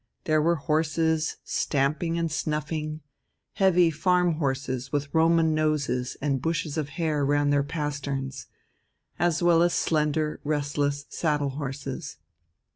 There were horses stamping and snuffing, heavy farm horses with Roman noses and bushes of hair round their pasterns, as well as slender, restless saddle horses.